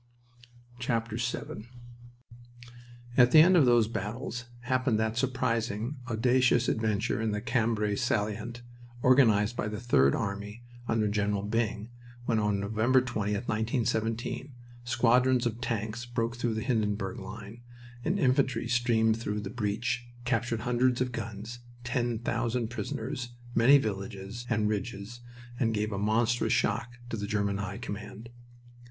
VII At the end of those battles happened that surprising, audacious adventure in the Cambrai salient organized by the Third Army under General Byng, when on November 20, 1917, squadrons of tanks broke through the Hindenburg line, and infantry streamed through the breach, captured hundreds of guns, ten thousand prisoners, many villages and ridges, and gave a monstrous shock to the German High Command.